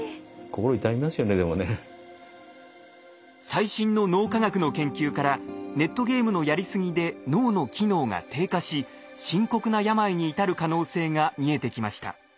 最新の脳科学の研究からネットゲームのやりすぎで脳の機能が低下し深刻な病に至る可能性が見えてきました。